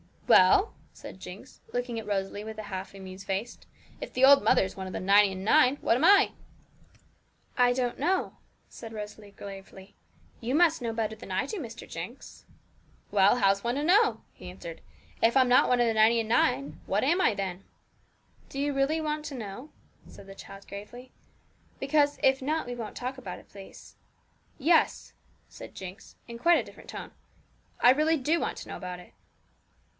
"' 'Well,'said Jinx, looking at Rosalie with a half amused face, if the old mother's one of the ninety and nine, what am I?' 'I don't know,' said Rosalie gravely; 'you must know better than I do, Mr Jinx.' 'Well, how is one to know?' he answered. 'If I'm not one of the ninety and nine, what am I, then?' 'Do you really want to know?' said the child gravely; 'because if not, we won't talk about it, please.' 'Yes,' said Jinx, in quite a different tone; 'I really do want to know about it.'